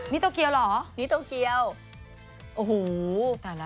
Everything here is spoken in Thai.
นี่โตเกียวเหรอ